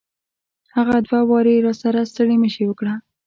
هغه دوه واري راسره ستړي مشي وکړه.